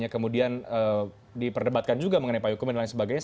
kemudian diperdebatkan juga mengenai payung dan lain sebagainya